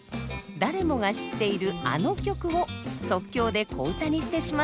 誰もが知っているあの曲を即興で小唄にしてしまったことも。